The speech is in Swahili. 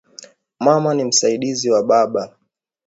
Mama ni msaidizi wa baba